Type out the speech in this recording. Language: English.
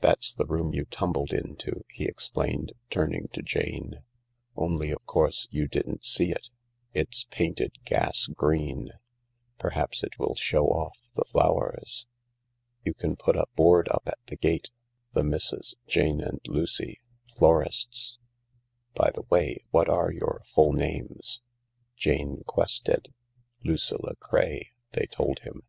That's the room you tumbled into/' he explained, turning to Jane, "only of course you didn't see it. It's painted gas green. Perhaps it will show off the flowers. You can put a board up at the gate :' The Misses Jane and Lucy, Florists/ By the way, what are your full names ?"" Jane Quested— Lucilla Craye," they told him.